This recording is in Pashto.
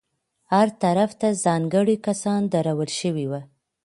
هر طرف ته ځانګړي کسان درول شوي وو.